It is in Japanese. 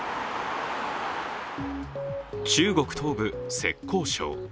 中国東部・浙江省。